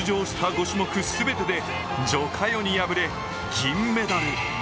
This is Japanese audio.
５種目全てで徐嘉余に敗れ銀メダル。